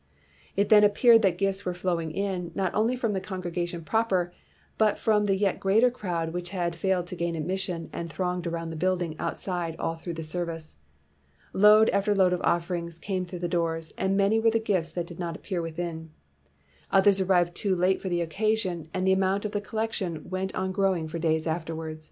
It then appeared that gifts were flowing in, not only from the congregation proper, but from the yet greater crowd which had failed to gain ad mission and thronged around the building outside all through the service. Load after load of offerings came through the doors, and many were the gifts that did not ap pear within. Others arrived too late for the occasion, and the amount of the collec tion went on growing for days afterward.